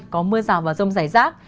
có mưa rào và rông rải rác